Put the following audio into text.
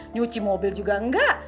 nyuci mobil juga enggak